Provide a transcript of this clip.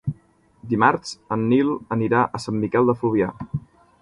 Dimarts en Nil anirà a Sant Miquel de Fluvià.